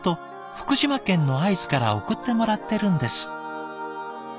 福島県の会津から送ってもらってるんです」。